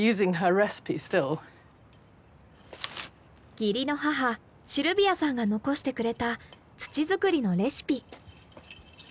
義理の母シルビアさんが残してくれた土作りのレシピ。